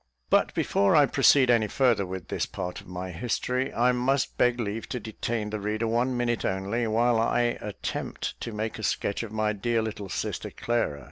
But before I proceed any further with this part of my history, I must beg leave to detain the reader one minute only, while I attempt to make a sketch of my dear little sister Clara.